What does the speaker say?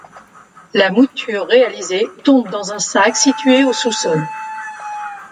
La mouture réalisée tombe dans un sac situé au sous-sol.